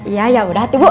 ya yaudah t ibu